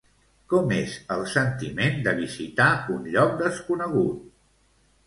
Com és el sentiment de visitar un lloc desconegut?